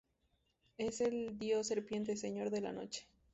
Es el dios serpiente, señor de la noche.